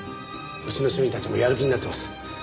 うちの署員たちもやる気になってます。